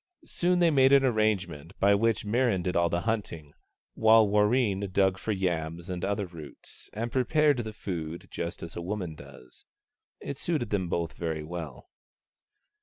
Soon they made an arrangement by which Mirran did all the hunting, while Warreen MIRRAN AND WARREEN 153 dug for yams and other roots, and prepared the food, just as a woman does. It suited them both very well.